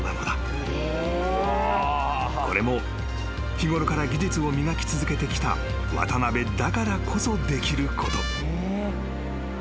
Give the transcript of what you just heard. ［これも日ごろから技術を磨き続けてきた渡邊だからこそできること］